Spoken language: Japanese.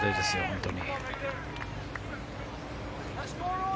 本当に。